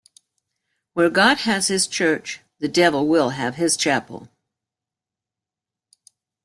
Where God has his church, the devil will have his chapel.